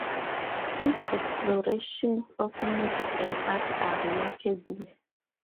His explorations of music and art are remarkable.